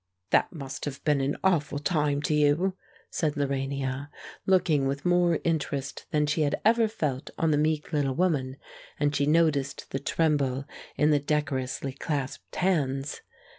"That must have been an awful time to you," said Lorania, looking with more interest than she had ever felt on the meek little woman; and she noticed the tremble in the decorously clasped hands.